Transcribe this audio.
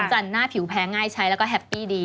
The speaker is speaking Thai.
จันทร์หน้าผิวแพ้ง่ายใช้แล้วก็แฮปปี้ดี